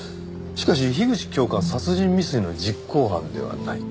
しかし樋口教官殺人未遂の実行犯ではない。